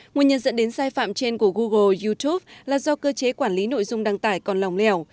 nguyên nhân dẫn đến sai phạm trên của google youtube là do cơ chế quản lý nội dung đăng tải còn lòng lẻo